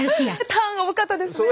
ターンが多かったですね。